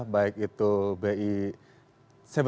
baik itu bi tujuh d